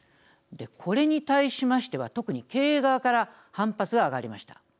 これに対しましては特に経営側から反発が上がりました。